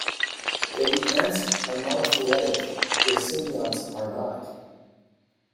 Though the ants are monophyletic, their symbionts are not.